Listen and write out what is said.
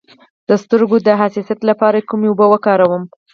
د سترګو د حساسیت لپاره کومې اوبه وکاروم؟